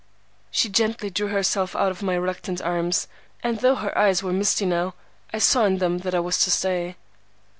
"She gently drew herself out of my reluctant arms, and though her eyes were misty now, I saw in them that I was to stay.